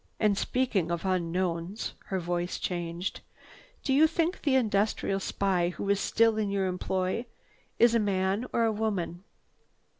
"And speaking of unknowns—" her voice changed. "Do you think the industrial spy who is still in your employ is a man or a woman?"